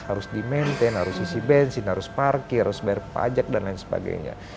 harus di maintain harus isi bensin harus parkir harus bayar pajak dan lain sebagainya